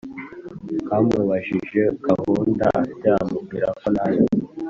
yamubajije gahunda afite amubwira ko ntayo